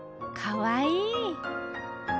かわいい。